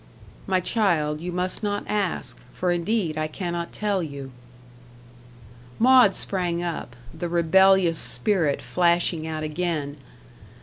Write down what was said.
"My child, you must not ask, for indeed I cannot tell you." Maud sprang up the rebellious spirit flashing out again.